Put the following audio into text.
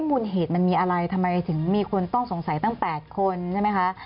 มูลเหตุมันมีอะไรทำไมถึงมีคนต้องสงสัยตั้ง๘คนใช่ไหมคะ